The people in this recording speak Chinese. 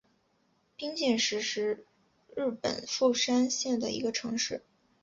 冰见市是日本富山县的一个城市。